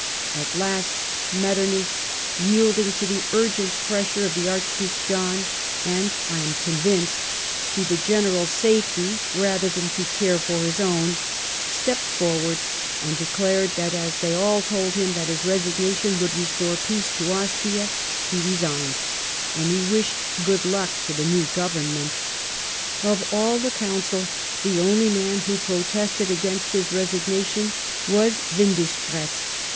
At last, Mettcrnich, yielding to the urgent pressure of the Archduke John, and, I am convinced, to the general safety rather than to care for his own, stepped forward and declared that as they all told him that his resignation would restore peace to Austria, he resii> ned, and he wished f^ood luck to the new Government. Of all the Council, the only man who ])rotested against his resignation was AVIndischgratz.